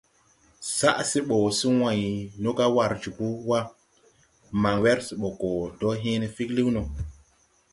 Saʼ se bɔ se wãy nɔga war jobo wa, man wɛr sɛ bɔ gɔ do hęęne figliwn no.